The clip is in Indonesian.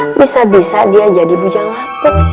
bisa bisa dia jadi bujang laput